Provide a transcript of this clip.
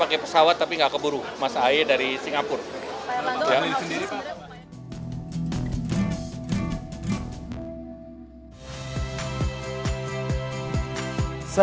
pak mardono datang pak